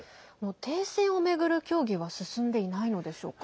停戦を巡る協議は進んでいないのでしょうか。